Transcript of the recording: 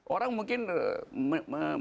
orang mungkin mengirim senjata